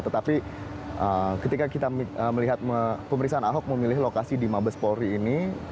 tetapi ketika kita melihat pemeriksaan ahok memilih lokasi di mabes polri ini